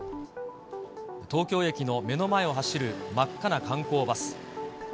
東京駅の目の前を走る真っ赤な観光バス。